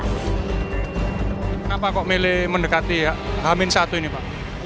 kenapa kok milih mendekati hamil satu ini pak